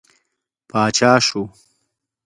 پاچا شو.